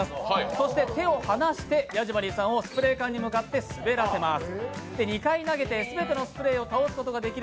そして手を離してヤジマリーさんをスプレー缶に向かって滑らせていきます。